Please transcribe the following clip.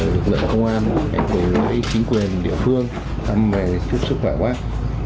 lực lượng công an với chính quyền địa phương thăm về chức sức khỏe quát